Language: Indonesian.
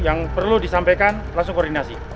yang perlu disampaikan langsung koordinasi